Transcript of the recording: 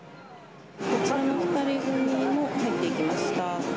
こちらの２人組も入っていきました。